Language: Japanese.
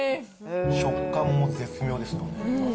食感も絶妙ですよね。